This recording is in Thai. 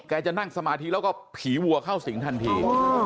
จะนั่งสมาธิแล้วก็ผีวัวเข้าสิงทันที